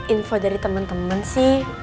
info dari temen temen sih